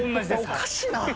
おかしいな。